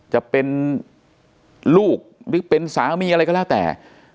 จะเป็นลูกหรือเป็นสามีอะไรก็แล้วแต่